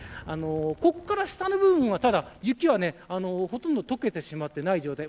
ここから下の部分は、雪はほとんど解けてしまってない状態。